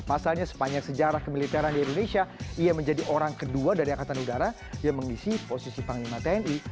pasalnya sepanjang sejarah kemiliteran di indonesia ia menjadi orang kedua dari angkatan udara yang mengisi posisi panglima tni